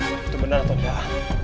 itu benar atau tidak